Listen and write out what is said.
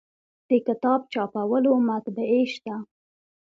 د کتاب چاپولو مطبعې شته